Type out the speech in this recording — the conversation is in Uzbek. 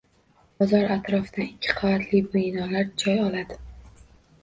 Bozor atrofidan ikki qavatli binolar joy oladi.